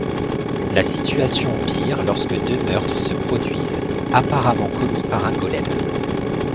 La situation empire lorsque deux meurtres se produisent, apparemment commis par un golem.